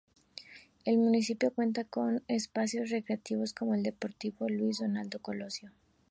El municipio cuenta con espacios recreativos como el deportivo Luis Donaldo Colosio.